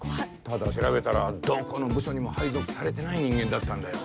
ただ調べたらどこの部署にも配属されてない人間だったんだよ。